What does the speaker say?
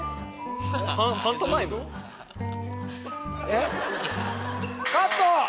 えっ？